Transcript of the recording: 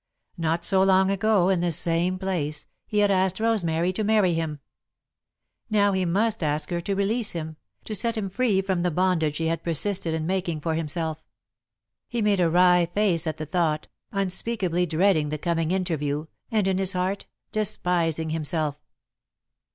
Not so long ago, in this same place, he had asked Rosemary to marry him. Now he must ask her to release him, to set him free from the bondage he had persisted in making for himself. He made a wry face at the thought, unspeakably dreading the coming interview and, in his heart, despising himself.